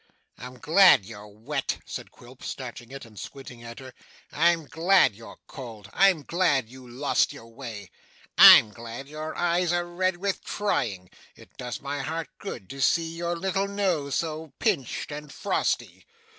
'I'm glad you're wet,' said Quilp, snatching it, and squinting at her. 'I'm glad you're cold. I'm glad you lost your way. I'm glad your eyes are red with crying. It does my heart good to see your little nose so pinched and frosty.